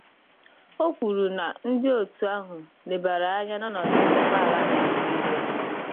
o kwuru na ndị òtù ahụ lebara anya n'ọnọdụ nchekwa ala Nigeria